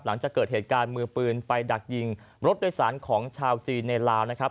หลังจากเกิดเหตุการณ์มือปืนไปดักยิงรถโดยสารของชาวจีนในลาวนะครับ